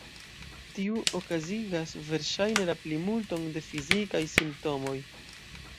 Tiu okazigas verŝajne la plimulton de fizikaj simptomoj.